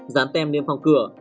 gián tem niêm phong cửa